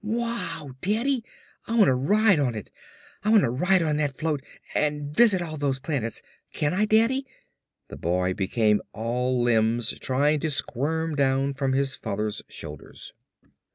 "Wow! Daddy, I wanna ride on it! I wanna ride on that float and visit all those planets! Can I, Daddy!" The boy became all limbs trying to squirm down from his father's shoulders.